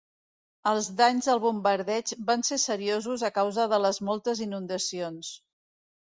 Els danys del bombardeig van ser seriosos a causa de les moltes inundacions.